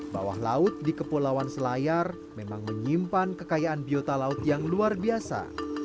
bawah laut di kepulauan selayar memang menyimpan kekayaan biota laut yang luar biasa